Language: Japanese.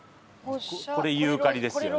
これユーカリですよね。